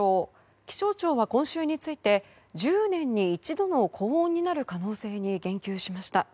気象庁は今週について１０年に一度の高温になる可能性に言及しました。